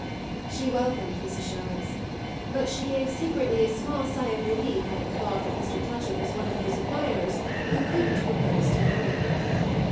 She welcomed this assurance, but she gave secretly a small sigh of relief at the thought that Mr. Touchett was one of those admirers who couldn't propose to marry her.